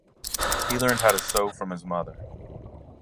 He learned how to sew from his mother.